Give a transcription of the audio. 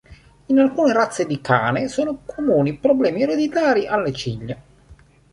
In alcune razze di cane sono comuni problemi ereditari alle ciglia.